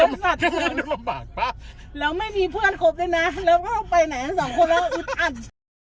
แล้วสัดสัดแล้วไม่มีเพื่อนครบด้วยน่ะแล้วเข้าไปไหนสองคนแล้วอุดอัด